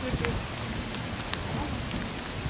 ももさん。